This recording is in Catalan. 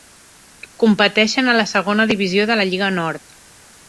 Competeixen a la Segona Divisió de la Lliga Nord.